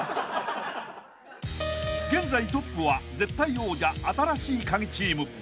［現在トップは絶対王者新しいカギチーム］